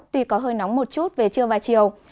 tuy có hơi nóng một chút về trưa và chiều